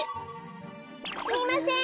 すみません